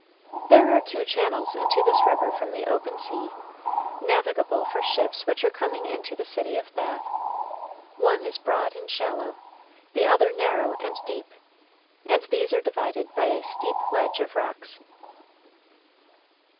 There are two channels into this river from the open sea, navigable for ships which are coming in to the city of Bath; one is broad and shallow, the other narrow and deep, and these are divided by a steep ledge of rocks.